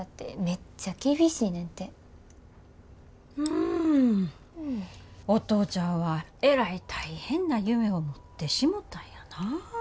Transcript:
んお父ちゃんはえらい大変な夢を持ってしもたんやな。